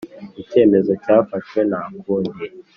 icyemezo cyafashwe ntakundi